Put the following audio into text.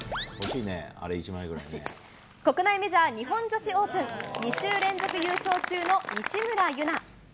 国内メジャー日本女子オープン２週連続優勝中の西村優菜。